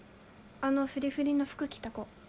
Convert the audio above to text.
あのフリフリの服着た子。